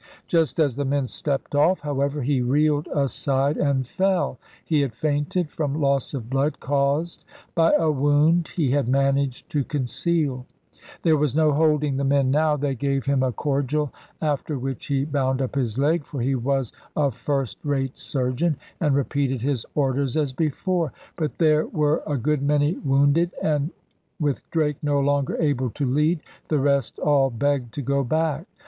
Just as the men stepped off, however, he reeled aside and fell. He had fainted from loss of blood caused by a wound he had managed to conceal. There was no holding the men now. They gave him a cordial, after which he bound up his leg, for he was a first rate surgeon, and repeated his orders as before. But there were a good many wounded; and, with Drake no longer able to lead, the rest all begged to go back.